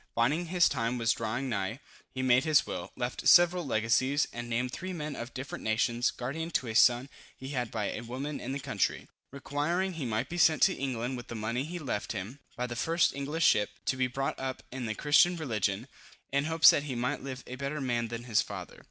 Finding his time was drawing nigh, he made his will, left several legacies, and named three men of different nations, guardian to a son he had by a woman in the country, requiring he might be sent to England with the money he left him, by the first English ship, to be brought up in the Christian religion, in hopes that he might live a better man than his father.